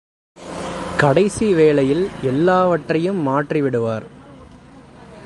கடைசி வேளையில் எல்லாம்வற்றையும் மாற்றி விடுவார்.